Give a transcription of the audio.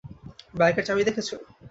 বাইকের চাবি দেখেছো?